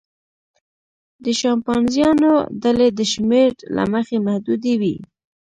د شامپانزیانو ډلې د شمېر له مخې محدودې وي.